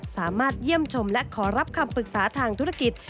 สามารถเยี่ยมชมและขอรับคำปรึกษาทางธุรกิจ